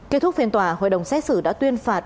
kết thúc phiên tòa hội đồng xét xử đã tuyên phạt